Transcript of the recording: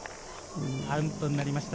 アウトになりました。